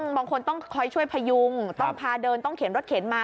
บางคนต้องคอยช่วยพยุงต้องพาเดินต้องเข็นรถเข็นมา